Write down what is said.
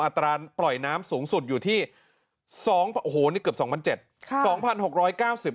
ตราปล่อยน้ำสูงสุดอยู่ที่๒โอ้โหนี่เกือบ๒๗๐๐บาท